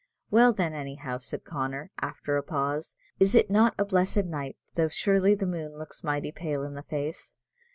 Well, then, anyhow," said Connor, after a pause, "is it not a blessed night, though surely the moon looks mighty pale in the face?